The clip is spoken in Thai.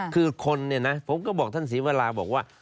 คือคนเนี่ยนะผมก็บอกท่านศรีวราบอกว่า